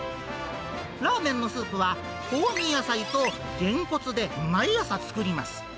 ラーメンのスープは、香味野菜とゲンコツで毎朝作ります。